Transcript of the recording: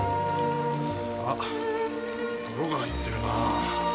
あっ泥が入ってるなあ。